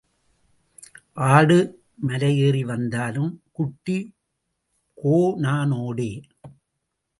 ஆடு மலையேறி வந்தாலும் குட்டி கோனானோடே.